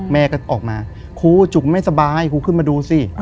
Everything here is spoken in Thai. แม่ก็ออกมาครูจุกไม่สบายครูขึ้นมาดูสิ